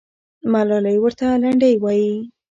ملالۍ ورته لنډۍ وایي.